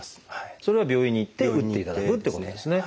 それは病院に行って打っていただくってことですね。